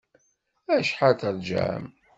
Acḥal terjam?